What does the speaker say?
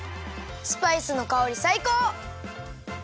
スパイスのかおりさいこう！